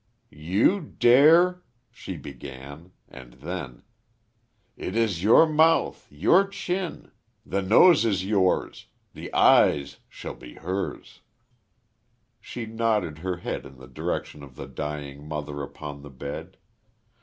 "You dare !" she began. And then: "It is your mouth your chin. The nose is yours. The eyes they shall be hers." She nodded her head in the direction of the dying mother upon the bed.